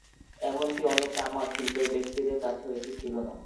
এমন কি অনেক কামার শিল্পের ব্যক্তিদের কাছেও এটি ছিল না।